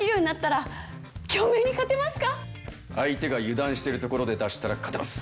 相手が油断してるところで出したら勝てます。